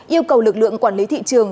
yêu cầu lực lượng quản lý thị trường